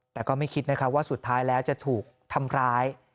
แต่ก็ไม่คิดนะครับว่าสุดท้ายแล้วจะถูกทำร้าย